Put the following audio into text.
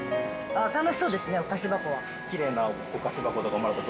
ああ、楽しそうですね、お菓子箱は。